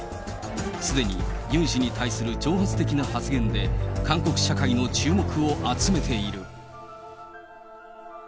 すでにユン氏に対する挑発的な発言で、韓国社会の注目を集めている。